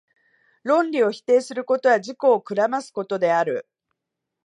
論理を否定することは、自己を暗ますことである。